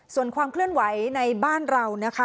ส่วนความเคลื่อนไหวในบ้านเรานะคะ